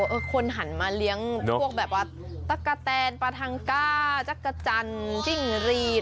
โอ้โหคนหันมาเลี้ยงพวกแบบว่าตะกะแตนปาทังก้าจักรจันจิ้งรีด